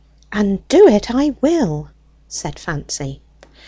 "And do it I will!" said Fancy.